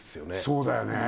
そうだよね